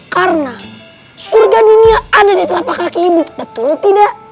karena surga dunia ada di atap kaki ibu betul tidak